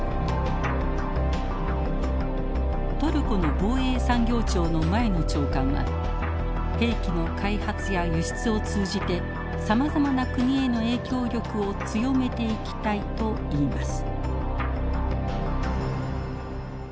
トルコの防衛産業庁の前の長官は兵器の開発や輸出を通じてさまざまな国への影響力を強めていきたいと言います。